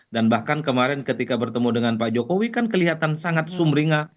dan bahkan kemarin ketika bertemu dengan pak jokowi kan kelihatan sangat sumringah